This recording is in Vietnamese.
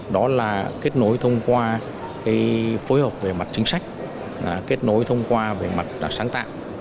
đó là kết nối thông qua phối hợp về mặt chính sách kết nối thông qua về mặt sáng tạo